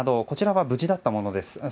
こちらは無事だったものです。